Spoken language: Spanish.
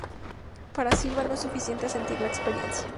Para Silva, no es suficiente "sentir" la experiencia.